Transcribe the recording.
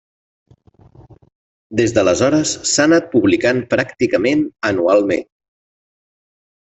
Des d'aleshores s'ha anat publicant pràcticament anualment.